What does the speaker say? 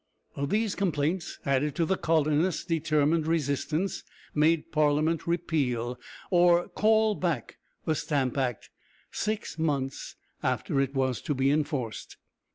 These complaints, added to the colonists' determined resistance, made Parliament repeal, or call back, the Stamp Act, six months after it was to be enforced.